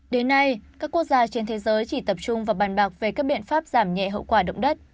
đến nay các quốc gia trên thế giới chỉ tập trung vào bàn bạc về các biện pháp giảm nhẹ hậu quả động đất